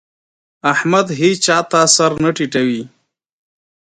احمد هيچا ته سر نه ټيټوي.